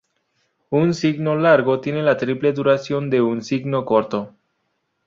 Un signo largo tiene la triple duración de un signo corto.